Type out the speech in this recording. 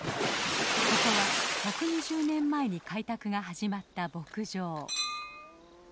ここは１２０年前に開拓が始まった牧場。